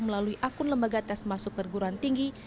melalui akun lembaga tes masuk perguruan tinggi